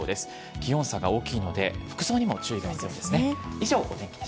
気温差が大きいので服装にも注意が必要ですね。